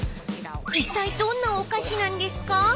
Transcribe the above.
［いったいどんなお菓子なんですか？］